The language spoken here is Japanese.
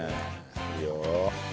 いいよ！